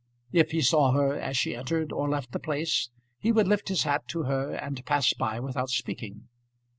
If he saw her as she entered or left the place, he would lift his hat to her and pass by without speaking.